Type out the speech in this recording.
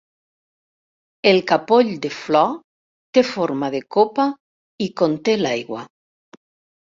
El capoll de flor té forma de copa i conté l'aigua.